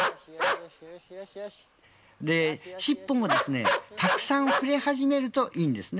しっぽもたくさん振り始めるといいんですね。